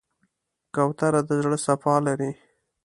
کوتره د زړه صفا لري.